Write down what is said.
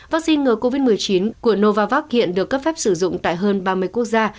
vaccine ngừa covid một mươi chín của novavax hiện được cấp phép sử dụng tại hơn ba mươi quốc gia